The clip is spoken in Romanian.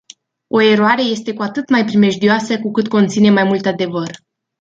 O eroare este cu atât mai primejdioasă, cu cât conține mai mult adevăr.